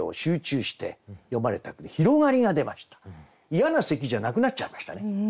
嫌な咳じゃなくなっちゃいましたね。